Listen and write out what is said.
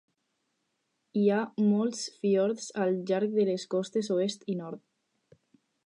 Hi ha molts fiords al llarg de les costes oest i nord.